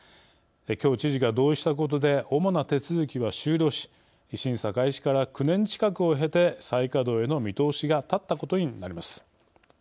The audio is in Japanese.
きょう知事が同意したことで主な手続きは終了し審査開始から９年近くを経て再稼働への見通しが立ったことになります。